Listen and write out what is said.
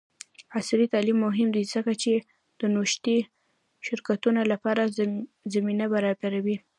عصري تعلیم مهم دی ځکه چې د نوښتي شرکتونو لپاره زمینه برابروي.